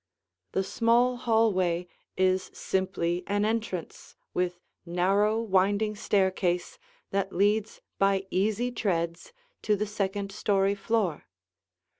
The small hallway is simply an entrance with narrow, winding staircase that leads by easy treads to the second story floor.